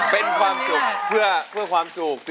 เป็นความสุขเพื่อความสุข